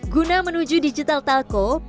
guna menuju digital telkom